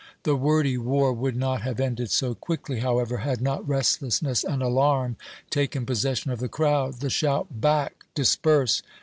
The wordy war would not have ended so quickly, however, had not restlessness and alarm taken possession of the crowd. The shout, "Back! disperse!"